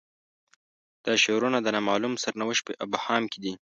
دا شعارونه د نا معلوم سرنوشت په ابهام کې دي.